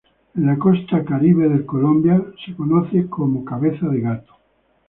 En la Costa Caribe de Colombia se le conoce como cabeza de gato.